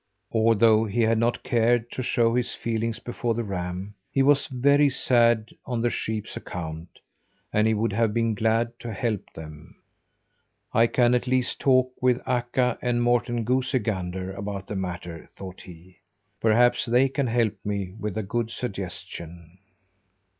Although he had not cared to show his feelings before the ram, he was very sad on the sheep's account, and he would have been glad to help them. "I can at least talk with Akka and Morten goosey gander about the matter," thought he. "Perhaps they can help me with a good suggestion."